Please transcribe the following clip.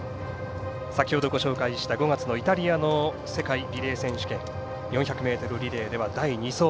先ほどご紹介した５月のイタリアのリレー選手権４００ｍリレーでは第２走。